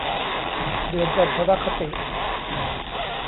เดือนจันทรคติ